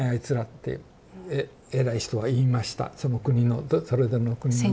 その国のそれぞれの国のね。